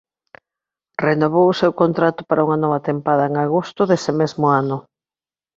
Renovou o seu contrato para unha nova tempada en agosto dese mesmo ano.